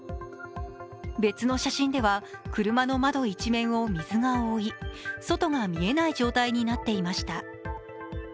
別の写真では車の窓一面を水が覆い外が見えない状態になっていました。